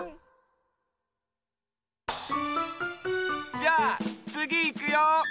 じゃあつぎいくよ。